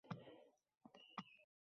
– E, balli! – deb alqadi G‘ulom oshpaz